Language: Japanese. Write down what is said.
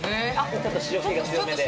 ちょっと塩気が強めで？